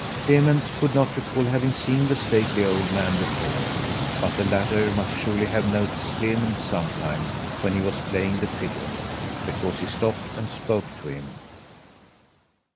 Clement could not recall having seen the stately old man before, but the latter must surely have noticed Clement sometime when he was playing the fiddle, because he stopped and spoke to him.